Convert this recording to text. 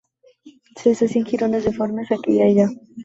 Se deshacía en jirones deformes aquí y allá.